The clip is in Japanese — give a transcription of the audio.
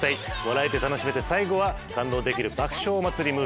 笑えて楽しめて最後は感動できる爆笑お祭りムービー。